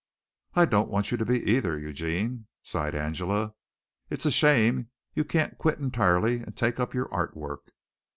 "I don't want you to be, either, Eugene," sighed Angela. "It's a shame you can't quit entirely and take up your art work.